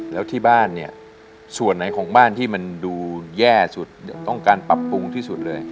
แล้วที่บ้านเนี่ยส่วนไหนของบ้านที่มันดูแย่สุดต้องการปรับปรุงที่สุดเลย